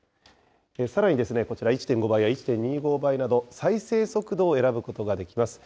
さらにこちら、１．５倍や１．２５倍など、再生速度を選ぶことができます。